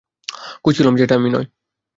খুশি হলাম যে এটা আমি নয়।